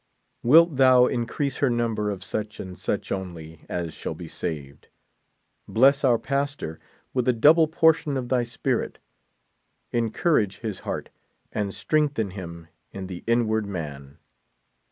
Wilt thou increase her number of such, and such only, as shall be saved. Bless our pastor with a double portion of thy Spirit. En courage his heart, and strehgthen him in the inward man.